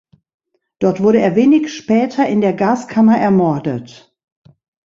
Dort wurde er wenig später in der Gaskammer ermordet.